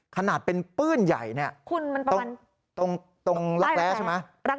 ขนาดเป็นปื้นใหญ่นี่ตรงรักแร้ใช่ไหมตรงที่ประวัติ